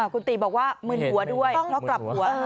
คุณติบอกว่ามึนหัวด้วยเพราะกลับหัว